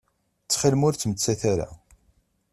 Ttxil-m ur ttmettat ara.